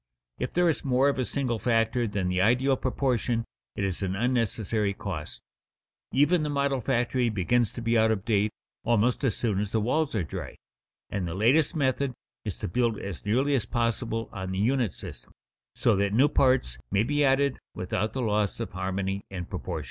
If there is more of a single factor than the ideal proportion, it is an unnecessary cost. Even the model factory begins to be out of date almost as soon as the walls are dry, and the latest method is to build as nearly as possible on the unit system, so that new parts may be added without the loss of harmony and proportion.